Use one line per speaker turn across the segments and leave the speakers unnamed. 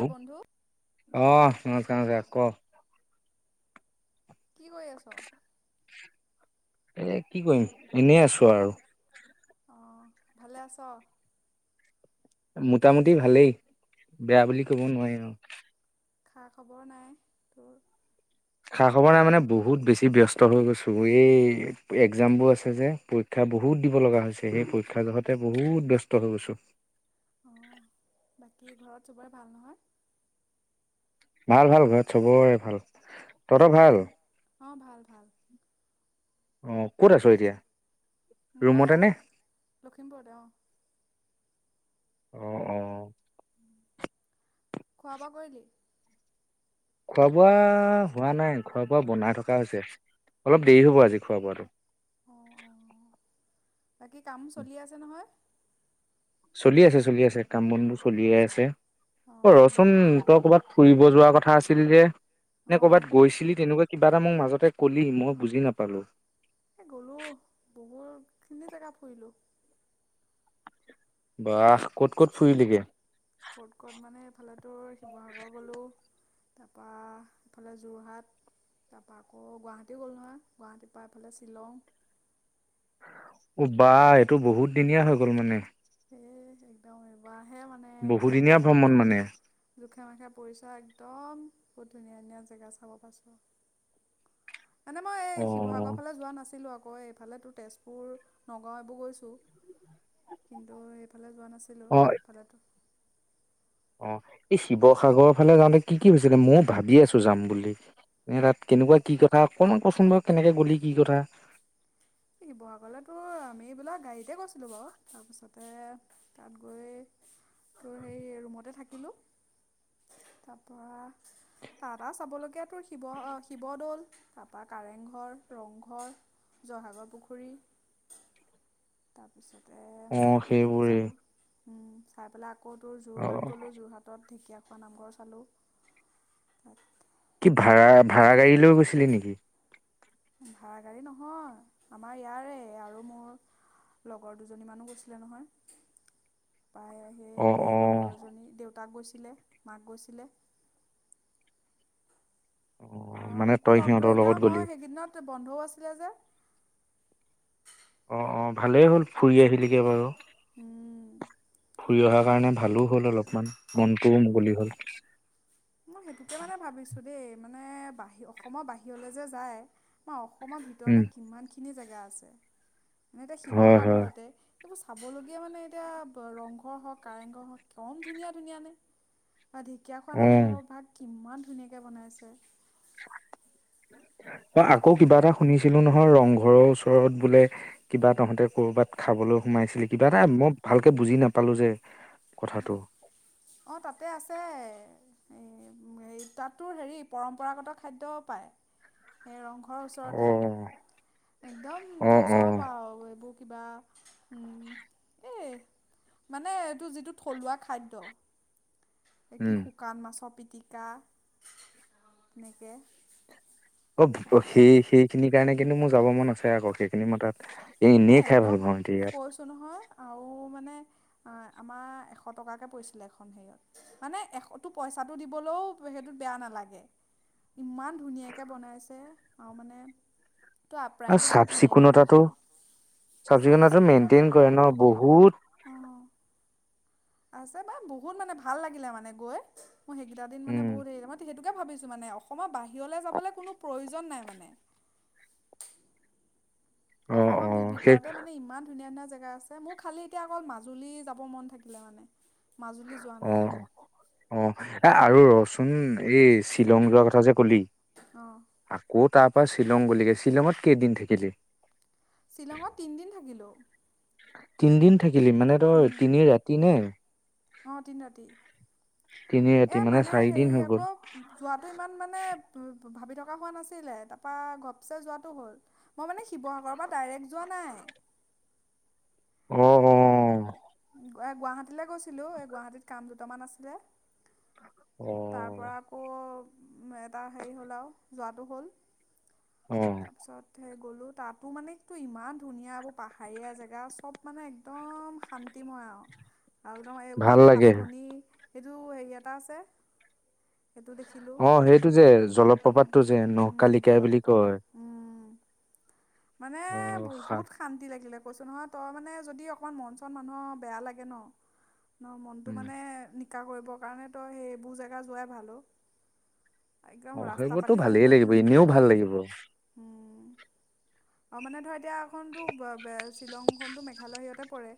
অ বন্ধু
অ নমস্কাৰ নমস্কাৰ ক
কি কৰি আছ
এ কি কৰিম এনেই আছোঁ আৰু
অ ভালে আছ
মোটামুটি ভালেই বেয়া বুলি ক'ব
অঁ
নোৱাৰি ন
খা খবৰ নাই তোৰ
খা খবৰ নাই মানে বহুত বেছি ব্যস্ত হৈ গৈছোঁ এই একজামবোৰ আছে যে পৰীক্ষা বহুত দিব লগা হৈছে সেই পৰীক্ষা জহতে বহুত ব্যস্ত হৈ গৈছোঁ
অ বাকী ঘৰত চবৰে ভাল নহয়
ভাল ভাল ঘৰত চবৰে ভাল তহঁতৰ ভাল
অঁ অঁ ভাল ভাল
অ ক'ত আছো এতিয়া
মই
ৰুমতেনে
লখিমপুৰতে অঁ
অ অ
খোৱা বোৱা কৰিলি
খোৱা বোৱা হোৱা নাই খোৱা বোৱা বনাই থকা হৈছে অলপ দেৰি হ'ব আজি খোৱা বাৰু
অঁ অঁ বাকী কাম চলি আছে নহয়।
চলি আছে চলি আছে কাম বনো চলিয়ে আছে
অঁ
অ ৰচোন তই কৰ'ৰবাত ফুৰিব যোৱাৰ কথা আছিল যে
অঁ
নে
অঁ
ক'ৰবাত গৈছিলি তেনেকুৱা কিবা এটা মোক মাজতে কলি মই বুজি নাপালো
এ গ'লো বহুতখিনি জেগা ফুৰিলো।
বাাহ ক'ত ক'ত ফুৰিলগে
ক'ত ক'ত মানে এইফালেতো শিৱসাগৰ গ'লো। তাৰপৰা ইফালে যোৰহাট তাৰপা আকৌ গুৱাহাটী গ'ল নহয় গুৱাহাটীৰ পৰা এইফালে শ্বিলং
অ বা এইটো বহুত দিনীয়া হৈ গ'ল মানে
এ একদম এইবাৰ হে মানে একদম
বহুদিনীয়া
জোখে
ভ্ৰমণ
মাখে
মানে।
জোখে মাখে পৰিচয় একদম বহুত ধুনীয়া ধুনীয়া জেগা চাব পাৰিছোঁ মানে মই এই
অ
শিৱসাগৰ ফালে যোৱা নাছিলো আ কয় এইফালেতো তেজপুৰ নগাঁও এইবোৰ গৈছোঁ কিন্তু সেইফালে যোৱা নাছিল। আছিলোঁ সেই ফালেতো
অ এই শিৱসাগৰ ফালে যাওঁতে কি কি হৈছিলে ভাবি আছিলোঁ ময়ও ভাবি আছো যাম বুলি এ তাত কেনেকুৱা কি কথাকমান কচোন বাৰু কেনেকে গলি কি কথা
শিৱসাগৰলৈ তোৰ আমিবিলাক গাড়ীতে গৈছিলো বাৰু তাৰপিছতে তাত গৈ তোৰ হেই ৰুমতে থাকিলো তাৰপৰা তটা চাবলগীয়া তোৰ শিৱ শিৱদৌল তাৰপা কাৰেংঘৰ ৰংঘৰ জয়সাগৰ পুখুৰী তাৰপিছত
অ সেইবোৰেই
চাই পেলাই আকৌ তোৰ যোৰহাট গ'লোঁ যোৰহাটত ঢেঁকীয়াখোৱা নামঘৰ চালোঁ তাত
কি ভাড়া ভাড়া গাড়ী লৈ গৈছিলি নেকি
ভাড়া গাড়ী নহয় আমাৰ ইয়াৰে আৰু মোৰ লগৰ দুজনীমানানো গৈছিলে নহয় পাই সেই
অ অ
সেই লগৰজনী দেউতাক গৈছে মাক গৈছিল অ
মানে
মোকো
তই
লগ
সিহঁতৰ লগত
ধৰিলো
গ'লি।
মই সেইদিনত বন্ধ ও আছিল যে।
অ অ ভালেই হ'ল ফুৰি আহিলগে বাৰু ফুৰি অহাৰ
আৰু
কাৰণে ভালো হ'ল অলপমান মনটোও মুকলি হল।
মই সেইটোকে মানে ভাবিছো দেই মানে বাহিৰ অসমৰ বাহিৰলৈ যে যায় মই অসমৰ
উম
ভিতৰতে কিমানখিনি জেগা আছে মইটো
হয় হয়
শিৱসাগৰতে এইবোৰ চাবলগীয়া মানে এতিয়া ৰংঘৰ হওক কাৰেংঘৰ হওক কম ধুনীয়া ধুনীয়া নে ঢ়েকীয়াখোৱা
অ
নামঘৰ সিহঁতৰ ভাগ কিমান ধুনীয়াকে বনাইছে।
ম আকৌ কিবা এটা শুনিছিলো নহয় ৰং ঘৰৰ ওচৰত বোলে কিবা তহঁতে কৰ'বাত খাবলৈ সোমাইছিলি কিবা এটা মই ভালকে বুজি নাপালো যে। কথাটো
অ অ তাতে আছে। এই এই তাতো হেৰি পৰম্পৰাগত খাদ্য পায়। ঘৰৰ
অ
ওচৰতে একদম
অ
তোৰ
অ
চব আৰু এইবোৰ কিবা উম এই মানে এইটো যিটো থলুৱা খাদ্য। এ কি
উম
শুকান মাছৰ পি। জিকা এনেকে।
অ সেই সেইখিনিৰ কাৰণে। কিন্তু মোৰ যাব মন আছে আকৌ সেইখিনি মই তাত।
এ
এনেই খাই
একদম
ভাল পাওঁ এতিয়া ইয়াত
কৈছো নহয় আও মানে। আমাৰ এশ টকাকে পৰিছিলে এখন হেৰিয়ত মানে এশটো পইচাটো দিবলৈও সেইটোত বেয়া নালাগে ইমান ধুনীয়াকে বনাইছে আৰু মানে। ত
আৰু
আপ্ৰায়নটো বহুত
চাফ
ধুনীয়াকে
চিকুণতাটো
কৈছে।
চাফ চিকুণটো মেইনটেইন কৰে ন বহুত।
অঁ আছে বা বহুত মানে ভাল লাগিলে মানে গৈ। মই সেইকেইটা দিন মানে
উম
বহুত মই সেইটো। ভাবিছো মানে অসমৰ বাহিৰলৈ যাবলৈ কোনো প্ৰয়োজন নাই মানে।
অ
অসমৰ
অ সেই
ভিতৰতে মানে ইমান ধুনীয়া ধুনীয়া। জেগা আছে মোৰ খালি এতিয়া অকল মাজুলী যাব মন থাকিলে মানে। মাজুলী যোৱা
অ
নাই
অ এ আৰু ৰ। উম এই শ্বিলং যোৱা কথা যে কলি
অঁ
আকৌত। তাৰপা শ্বিলং গলিগে শ্বিলঙত কেইদিন থাকিলি।
শ্বিলঙত তিনিদিন থাকিলোঁ
তিনি দিন। থাকিলি মানে তই তিনি ৰাতি নে?
অঁ তিনি ৰাতি
তিনি ৰাতি
এই মানে
চাৰিদিন
হেৰি
হৈ গ'ল
আকৌ যোৱাটো ইমান মানে। ভাবি থকা হোৱা নাছিলে তাৰপা ঘপচে যোৱাটো হ'ল, মই মানে শিৱসাগৰৰ পৰা ডাইৰেক যোৱা নাই।
উম উম।
এ গুৱাহাটীলৈ গৈছিলো এ গুৱাহাটীত কাম দুটামান আছিলে।
অ
তাৰ পৰা আকৌ। উ এটা হেৰি হ'ল আৰু যোৱাটো হ'ল
অ
তাৰপিছত গ'লো তাতো মানে ইমান ধুনীয়া এইবোৰ পাহাৰীয়া জেগা চব মানে একদম শান্তিময় আৰু। আৰু একদম
ভাল
এইবোৰ
লাগে
সাত ভনী। এইটো হেৰি এটা আছে। সেইটো দেখিলোঁ
অ সেইটো যে
উম,
জলপ্ৰপাতটো যে
উম,
নহকালিকাই বুলি
জলপ্ৰপাতটো
কয়।
উম। মানে
অ সাত
বহুত শান্তি লাগিলে। কৈছো নহয় তই মানে যদি অকমান মন চন মানুহৰ বেয়া লাগে ন। ন মনতটো
উম
মানে। শিকা কৰিবৰ কাৰণে তই সেই এইবোৰ জেগা যোৱাই ভাল অ একদম
অ
ৰাস্তা
সেইবোৰতো
পাতিও
ভালেই
বহুত
লাগিব
ধুনীয়া
এনেও ভাল লাগিব।
অ মানে ধৰ এতিয়া এখতো শ্বিলংখনতো মেঘালয় সিহঁতে পৰে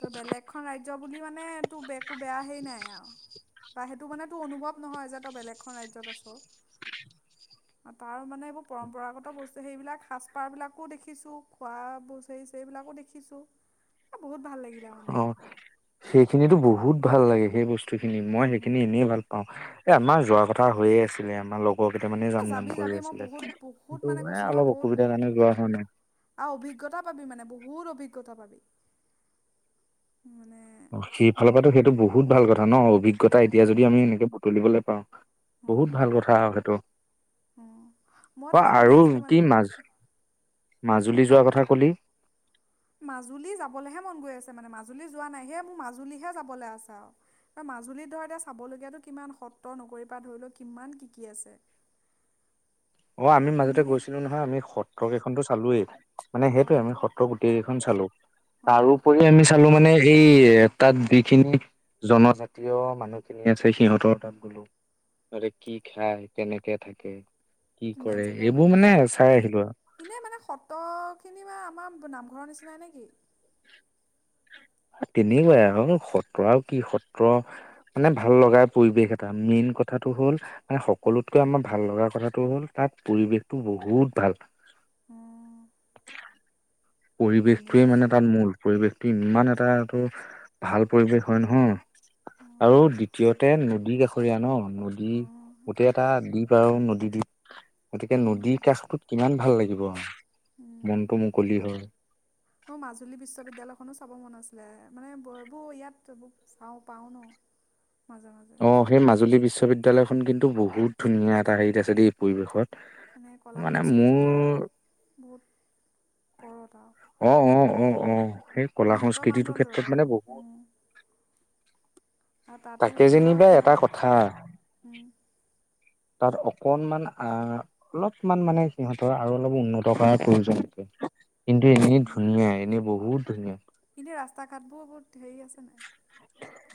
ত বেলেগখনন ৰাজ্য বুলি মানে টো ব একো বেয়া হেই নাই আৰু বা সেইটো মানে তো অনুভৱ নহয় যে তই বেলেগখনন ৰাজ্য়ত আছ তাৰ মানে এইবোৰ পৰম্পৰাগত বস্তু সেইবিলাক সাজ পাৰ বিলাকো দেখিছো খোৱা বস্ত সবিলাকো দেখিছো বহুত ভাল লাগিলে মানে
অ সেইখিনিতো বহুত ভাল লাগে সেই বস্তু বস্তুখিনি মই সেইখিনি এনেই ভাল পাওঁ। এ আমাৰ যোৱাৰ কথা হৈয়ে আছিলে আমাৰ লগ বৰকেইট মানে
এ
জাম জাম
যাবি
কৰি
যাবি মই
আছিলে
বহুত বহুত
কিন্তু টো মানে
কৈছোঁ নহয়
অলপ
বহুত
অসুবিধাৰ কাৰণে যোৱা হোৱা নাই
বহুৰ অভিজ্ঞতা পাবি মানে
অ সেইফালৰ
ম
পৰা তো সেইটো বহুত ভাল কথা ন অভিজ্ঞতা
অঁ
এতিয়া যদি আমি এনেকে তুলিবলৈ পাওঁ
অঁ
বহুত ভাল কথা সেইটো
অঁ মই
অ
তাকে ভাবি
আৰু
আছিলোঁ
কি
মানে
মাজ মাজুলী
ন
যোৱাৰ কথা কলি
মাজুলী যাবলৈহে মন গৈ আছে মানে মাজুলী যোৱা নাই হে মোৰ মাজুলীহে যাবলৈ আছা আৰু মাজুলীত ধ এতিয়া চাবলগীয়াাতটো কিমান সত্ৰ নগৰী ধৰি লও কিমান কি কি আছে
অ আমি মাজতে
শুনিহে
গৈছিলো নহয় আমি সত্ৰ কেইখনো চ খালোৱেই মানে সেইটোয়ে
অ',
আম সত্তৰ গোটে খন চালো
অ',
তাৰোপৰি আমি চালো মানে এই তাত যিখিনি জনজাতীয় মানুহখিনি আছে সিহঁতৰ তাত গলো তাতে কি খাই কেনেকে থাকে কি
কিমান
কৰে
চাগে
এইবোৰ
ভাল
মানে চাই আহিলো আৰু।
এনে মানে সত্ৰ খিনি বা আমাৰ নামঘৰ নিচিনাই নেকি
তেনেকুৱাই আৰু সত্ৰ আৰু কি সত্ৰ মানে ভাল লগা পৰিৱেশ এটা মেইন কথাটো হ'ল মানে সকলোতকৈ আমাৰ ভাল লগা কথাটো হ'ল তাত পৰিৱেশটো বহুত ভাল
অ
পৰিবেশ
এনেই
টোৱে
আৰু
মানে তাত মূল পৰিৱেশটো ইমান এটাটো ভাল পৰিৱেশ হয় নহয় আৰু
অ',
দ্বিতীয়তে ন নদী কাষৰীয়া ন
অ',
নদী
অ',
গোটেই এটা দ্বীপ ৰু নদীদ্বীপ গতিকে নদীৰ কাষত কিমান ভাল লাগিব
উম।
মনটো মুকলি হয়
মোৰ মাজুলী বিশ্ববিদ্যালয়খনো চাব মন আছিলে মানে বয়বো ইয়াত চাওঁ পাওঁ ন মাজে মাজে
অ সেই মাজুলী বিশ্ববিদ্যা বিদ্যালয়খন কিন্তু বহুত ধুনীয়া এটা হেৰিত আছে দেই এই পৰিৱেশত
মানে কলা
মানে মোৰ
সংস্কৃতিটো বহুত পৰত আৰু
অ অ অ অ সেই কলা
উন্নত
সংস্কৃতিটোৰ
মানদণ্ডৰ
ক্ষেত্ৰত
আৰু এইটো
মানে বহুত
উম। আৰু তাতো
তাকে
ধৰ
যেনিবা
কিমান
এটা কথা
উম,
তাত অকনমান আ অলপমান মানে সিহঁতৰ আৰু অলপ উন্নত কৰাৰ প্ৰয়োজন আছে কিন্তু এনেই
উম,
ধুনীয়া এনে বহুত ধুনীয়া
এনেই ৰাস্তা ঘাটবোৰ বহুত হেৰি আছে নাই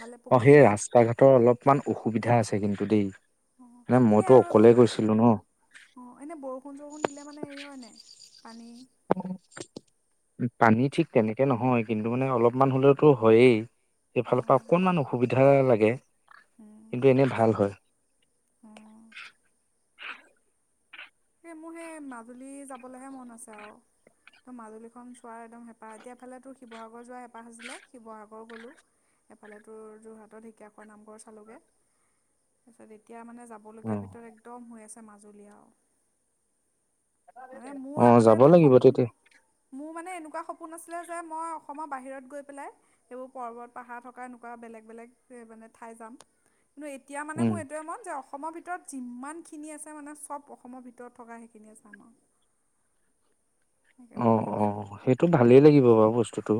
ভালে পকিয়ে নে
অকণমান অসুবিধা আছে কিন্তু দেই
অ
মানে
এনে
মইতো
আৰু এইবোৰ
অকলে গৈছিলো ন
অ এনে বৰষুণ চৰষুণ দিলে মানে হেৰি হয় নাই পানী
পানী ঠিক তেনেকে নহয় কিন্তু মানে অলপমান হ'লেও তো হয়েই এইফালৰ পৰা
অঁ
অকণমান অসুবিধা বিধা লাগে
অঁ
কিন্তু এনে ভাল হয়।
এই মোৰ সেই মাজুলী যাবলেহে মন আছে আৰু মাজুলীখন চোৱাৰ একদম হেঁপাহ এতিয়া এফালে তোৰ শিৱসাগৰ যোৱা হেঁপাহ আছিলে শিৱসাগৰ গলো এফালে তোৰ যোৰহাটৰ ঢেকীয়াখোৱা নামঘৰ চালোগে তাৰপিছত এতিয়া মানে
অ
যাবলগীয়া ভিতৰত একদম হৈ আছে আছে মাজুলীয়া আৰু মানে মোৰ
অ
আগতে
যাব
তোৰ
লাগিব
সপোন
তেতিয়া
মোৰ মানে এনেকুৱা সপোন ফোন আছিলে যে মই অসমৰ বাহিৰত গৈ পেলাই সেইবোৰ পৰ্বত পাহাৰ থকা এনেকুৱা বেলেগ বেলেগ মানে ঠাই যাম। কিন্তু এতিয়া মানে
উম
মোৰ এইটয়ে মন যে অসমৰ ভিতৰত যিমান খিনি আছে মানে চব অসমৰ ভিতৰত ভ থকা সেইখিনি আ চ আমাৰ।
অ অ সেইটো ভালেই লাগিব বাৰু বস্তুটো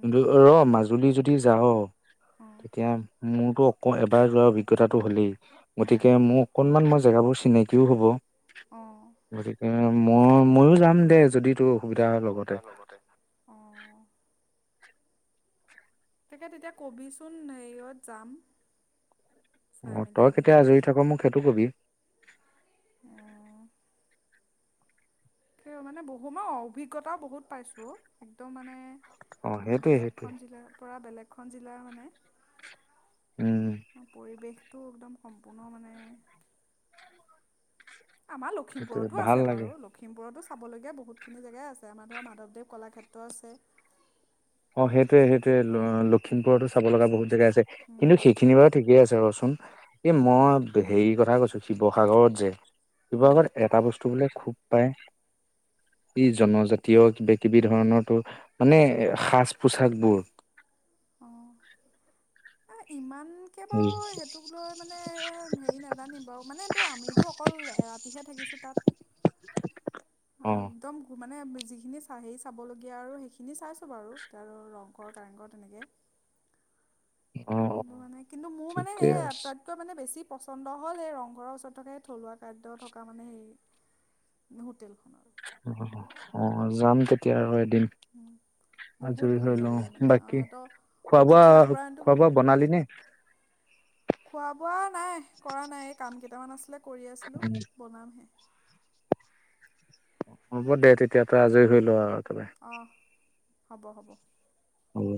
কিন্তু ৰ মাজুলী য যাওঁ
অঁ
তেতিয়া মোৰতো আকৌ এবাৰ যোৱাৰ অভিজ্ঞতাটো হ'লেই
অঁ
গতিকে মোৰ অকনমান ম জেগাবোৰ চিনাকিও হ'ব
অঁ
ব কে [unintelligible] মই ময়ো যাম দে। যদি তো।
তাৰ লগতে অ। তাকে তেতিয়া কবিচোন এইয়াত যাম। চাই
অ
মেলি
তই কেতিয়া
আহিমগৈ
আজৰি থাক মোক সেইটো কবি
অহ সেই মানে বহু মই অভিজ্ঞতাও বহুত পাইছো একদম মানে
অ
ধ
সেইটোৱে
বেলেগ
সেইটোৱে
খন জিলাৰ পৰা বেলেগ খন জিলাৰ মানে
উম
পৰিৱেশ তটো একদম সম্পূৰ্ণ মানে আমাৰ
সেইটোৱে
লখিমপুৰতো
ভাল
আছে
লাগে
বাৰু লখিমপুৰতো খাবলগীয়া বহুতখিনি জেগাই আছে আমাৰ ধৰক মাধৱদেৱ কলাক্ষেত্ৰ আছে
অ সেইটোৱে সেইটোৱে
উম
লক্ষিমপুৰতো চাব লগা বহুত জেগা আছে
উম
কিন্তু সেইখিনি বাৰু ঠিকেই আছে চোন এ মই হেৰি কথা কৈছো শিৱসাগৰত যে
উম
শিৱসাগৰত এটা বস্তু বোলে খুব পাই ই জনজাতীয় কিবা কিবি ধৰণতো মানে সাজ পোছাকবোৰ
অ ইমান এনেকে বাৰু সেইটোক লৈ মানে হেৰি নেজানিম বাৰু মানে এইটো আমিতো অকল এৰাতিহে থাকিছো তাত আ
অ
একদম মানে যিখিনি চা হেৰি চাবলগীয়া আৰু সেইখিনি চাইছোঁ বাৰু এতিয়া আৰু ৰংঘৰ কাৰেংঘৰ তেনেকে
অ অ
কিন্তু মানে কিন্তু মোৰ মানে
ঠিকে
সেই
আছে
আটাইতকৈ মানে বেছি পচন্দ হ'ল এই ৰংঘৰৰ ওচৰত থকা থলুৱা খাদ্য থকা মানে সেই হোটেলখনত
অ যাম তেতিয়া আৰু এদিন
উম বহুত
আজৰি
ভাল
হৈ লওঁ
লাগিলে মানে অ
বাকী
সিহঁতৰ
খোৱা বোৱা
অতিথি আপ্যায়ন
খোৱা বোৱা বনালি নে
বহুত খোৱা বোৱা নাই কৰা নাই এই কাম কেই তেওঁ অনা আছিলে কৰি আছিলোঁ বনামহে
হ'ব দে তেতিয়া তই আজৰি হৈ ল আৰু বা বাই
অঁ হ'ব হ'ব
হ'ব